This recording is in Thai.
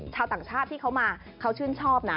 ชาวต่างชาติที่เขามาเขาชื่นชอบนะ